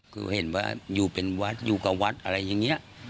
คือเห็นว่าอยู่เป็นวัดอยู่กับวัดอะไรอย่างนี้